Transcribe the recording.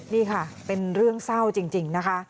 นี่ค่ะเป็นเรื่องเศร้าจริงนะคะ